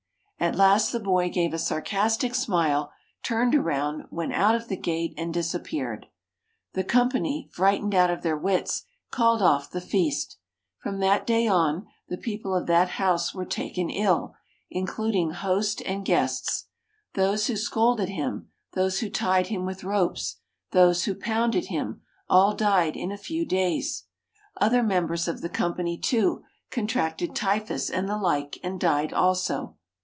At last the boy gave a sarcastic smile, turned round, went out of the gate and disappeared. The company, frightened out of their wits, called off the feast. From that day on, the people of that house were taken ill, including host and guests. Those who scolded him, those who tied him with ropes, those who pounded him, all died in a few days. Other members of the company, too, contracted typhus and the like, and died also.